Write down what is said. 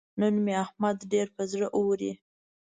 نن مې احمد ډېر پر زړه اوري.